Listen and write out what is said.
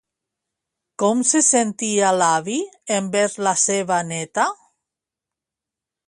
Com se sentia l'avi envers la seva neta?